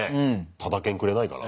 タダ券くれないかな。